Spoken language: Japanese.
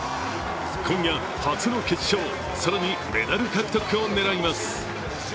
今夜、初の決勝、更にメダル獲得を狙います。